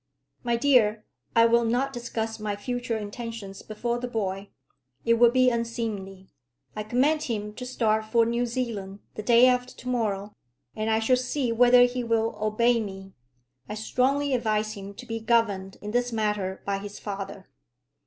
"My dear, I will not discuss my future intentions before the boy. It would be unseemly. I command him to start for New Zealand the day after to morrow, and I shall see whether he will obey me. I strongly advise him to be governed in this matter by his father."